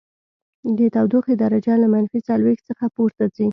د تودوخې درجه له منفي څلوېښت څخه پورته ځي